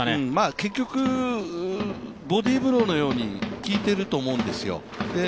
結局、ボディブローのように効いていると思うんですよ。